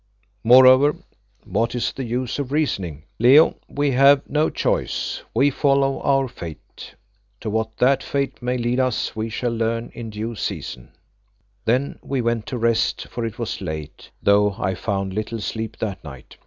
Moreover, what is the use of reasoning? Leo, we have no choice; we follow our fate. To what that fate may lead us we shall learn in due season." Then we went to rest, for it was late, though I found little sleep that night.